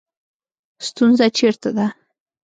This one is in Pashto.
ستونزه چېرته ده